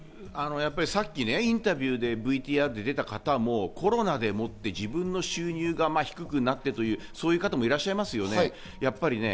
やっぱりさっきインタビューでＶＴＲで出た方もコロナでもって自分の収入が低くなってという方もいらっしゃいますよね。